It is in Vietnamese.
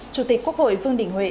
chủ tịch quốc hội vương đình huệ